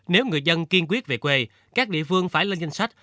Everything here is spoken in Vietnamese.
nếu người dân kiên quyết về quê các địa phương phải lên danh sách